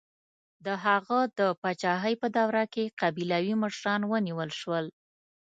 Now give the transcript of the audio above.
د هغه د پاچاهۍ په دوره کې قبیلوي مشران ونیول شول.